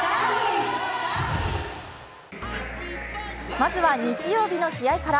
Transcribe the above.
まずは日曜日の試合から。